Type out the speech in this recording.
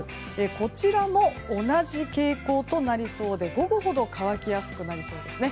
こちらも同じ傾向となりそうで午後ほど乾きやすくなりそうですね。